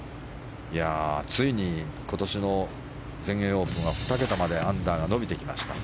ついに今年の全英オープンは２桁までアンダーが伸びてきました。